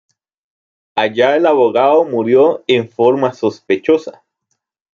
Allá el abogado murió en forma sospechosa.